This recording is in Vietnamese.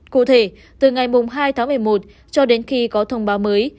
cụ thể từ ngày hai tháng một mươi một cho đến khi có thông báo mới